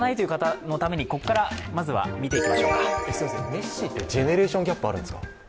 ネッシーってジェネレーションギャップあるんですか？